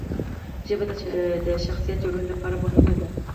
ژبه د شخصیت جوړونې لپاره مهمه ده.